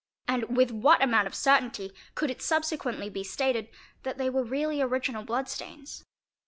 And with what amount of certainty could it subsequently be stated that they were really original blood stains?